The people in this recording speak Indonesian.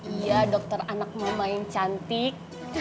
iya dokter anak mama yang cantik